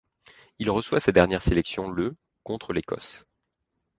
Il reçoit sa dernière sélection le contre l'Écosse.